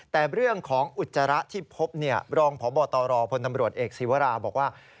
แต่เรื่องของอุจจาระที่พบรองพบตรพลตำรวจเอกศีวราบอกว่า